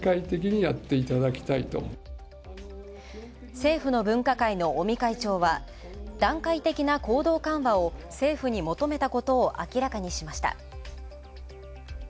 政府の分科会の尾身会長は段階的な行動緩和を政府に求めたことを明らかにしました。